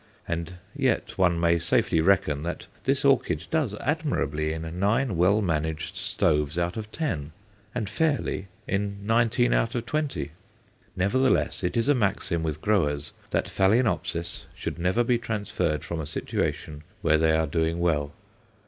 And yet one may safely reckon that this orchid does admirably in nine well managed stoves out of ten, and fairly in nineteen out of twenty. Nevertheless, it is a maxim with growers that Phaloenopsis should never be transferred from a situation where they are doing well.